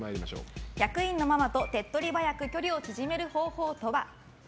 役員のママと手っ取り早く距離を縮める方法とは？